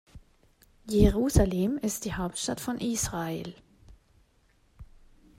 Jerusalem ist die Hauptstadt von Israel.